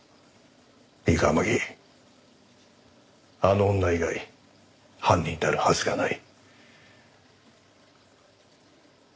いいか天樹あの女以外犯人であるはずがない。